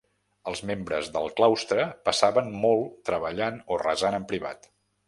Els membres del claustre passaven molt treballant o resant en privat.